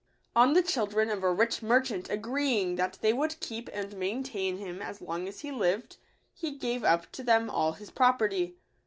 N the children of a rich merchant agreeing that they would keep and maintain him as long as he lived, he gave up to them all his property.